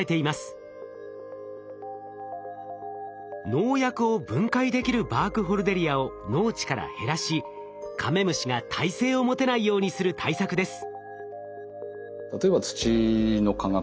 農薬を分解できるバークホルデリアを農地から減らしカメムシが耐性を持てないようにする対策です。